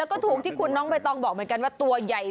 คุณน้องไปต้องบอกเหมือนกันว่าตัวใหญ่